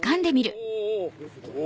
お！